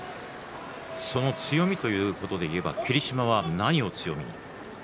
その強みということでいえば霧島は何が強みですか？